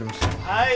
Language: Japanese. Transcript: はい。